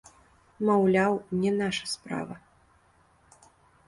Маўляў, не наша справа.